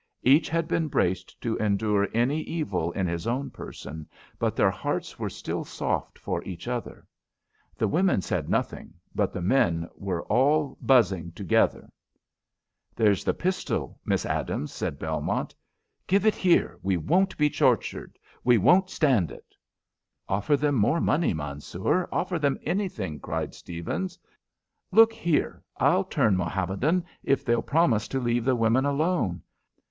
Each had been braced to endure any evil in his own person, but their hearts were still soft for each other. The women said nothing, but the men were all buzzing together. "There's the pistol, Miss Adams," said Belmont. "Give it here! We won't be tortured! We won't stand it!" "Offer them money, Mansoor! Offer them anything!" cried Stephens. "Look. here, I'll turn Mohammedan if they'll promise to leave the women alone.